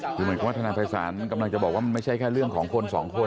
คือเหมือนกับว่าทนายภัยศาลกำลังจะบอกว่ามันไม่ใช่แค่เรื่องของคนสองคน